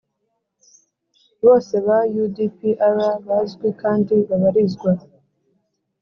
bose ba U D P R bazwi kandi babarizwa